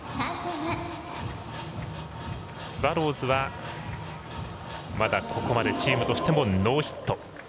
スワローズは、まだここまでチームとしてもノーヒット。